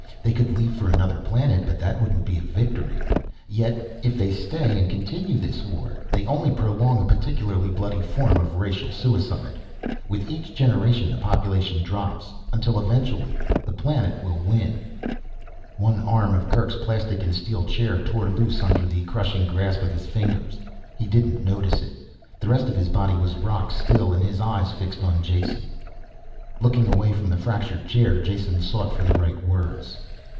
They could leave for another planet, but that wouldn't be victory. Yet, if they stay and continue this war, they only prolong a particularly bloody form of racial suicide. With each generation the population drops. Until eventually the planet will win." One arm of Kerk's plastic and steel chair tore loose under the crushing grasp of his fingers. He didn't notice it. The rest of his body was rock still and his eyes fixed on Jason. Looking away from the fractured chair, Jason sought for the right words.